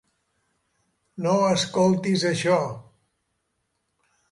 No escoltis això.